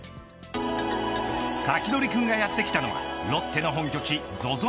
サキドリくんがやって来たのはロッテの本拠地ＺＯＺＯ